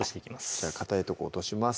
じゃあかたいとこ落とします